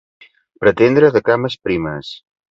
Pretendre de cames primes.